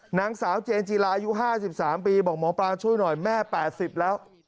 นางสาวเจนจีรายุ๕๓ปีบอกหมอปลาช่วยหน่อยแม่๘๐แล้ว